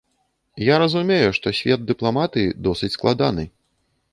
Я разумею, што свет дыпламатыі досыць складаны.